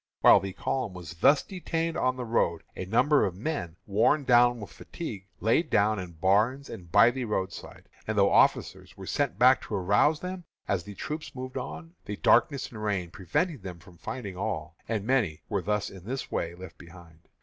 While the column was thus detained on the road a number of men, worn down with fatigue, laid down in barns and by the roadside, and though officers were sent back to arouse them as the troops moved on, the darkness and rain prevented them from finding all, and many were in this way left behind.